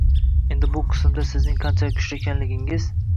Endi bu qismda sizning qanchalar kuchli ekanliginiz